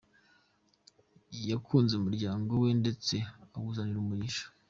Yakunze umuryango we ndetse awuzanira umugisha.